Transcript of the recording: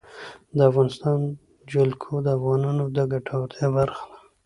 د افغانستان جلکو د افغانانو د ګټورتیا برخه ده.